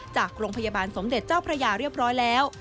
จากโรงพยาบาลสมเด็จเจ้าพระยาเรียบร้อยแล้ว